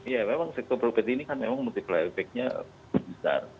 ya memang sektor properti ini kan multi flyer effectnya besar